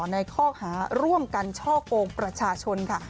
ในข้อหาร่วมกันช่อกงประชาชนค่ะ